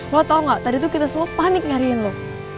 lo tahu nggak tadi tuh kita semua panik nyariin lo